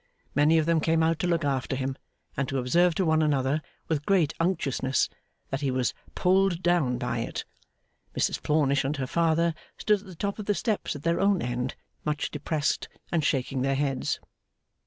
Many of them came out to look after him, and to observe to one another, with great unctuousness, that he was 'pulled down by it.' Mrs Plornish and her father stood at the top of the steps at their own end, much depressed and shaking their heads.